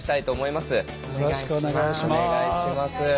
よろしくお願いします。